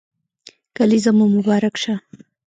کلېزه مو مبارک شه